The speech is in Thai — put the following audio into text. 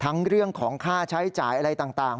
เรื่องของค่าใช้จ่ายอะไรต่าง